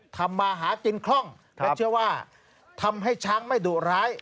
ทำมาหากินคล่องและเชื่อว่าทำให้ช้างไม่ดุร้าย